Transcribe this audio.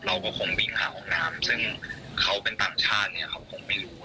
งั้นออกไปพวกผมบิ้งหาห้องน้ำซึ่งเขาเป็นต่างชาติเนี่ยครับผมไม่รู้นะฮะ